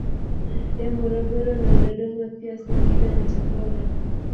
Ya Morogoro na Dodoma pia Singida na Tabora